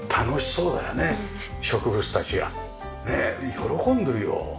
喜んでるよ。